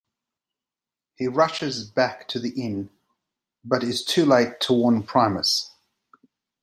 He rushes back to the inn, but is too late to warn Primus.